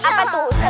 apa tuh ustadz